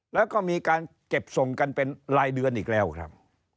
แล้วก็มีการเก็บส่งกันเป็นรายเดือนอีกแล้วครับ